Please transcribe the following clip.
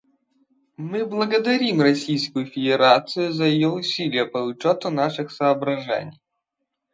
Мы благодарим Российскую Федерацию за ее усилия по учету наших соображений.